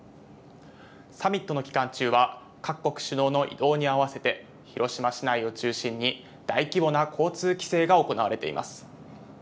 サミットの期間中は各国首脳の移動に合わせて広島市内を中心に大規模な交通規制が行われています。